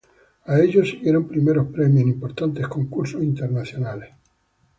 A ello siguieron primeros premios en importantes concursos internacionales.